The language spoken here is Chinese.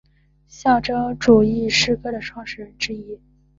象征主义诗歌的创始人之一。